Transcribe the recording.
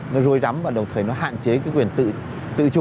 nó rối rắm và đồng thời nó hạn chế quyền tự chủ